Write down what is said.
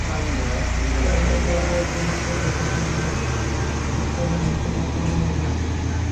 এঁরা লক্ষ্যভেদে একটু নিখুঁত হতে পারলে স্কোরলাইন হতে পারত অন্য রকম।